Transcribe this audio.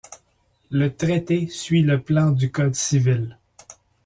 Le traité suit le plan du Code civil.